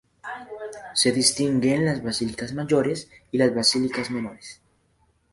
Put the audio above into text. Se distinguen las "basílicas mayores" y las "basílicas menores".